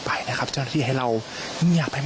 และก็คือว่าถึงแม้วันนี้จะพบรอยเท้าเสียแป้งจริงไหม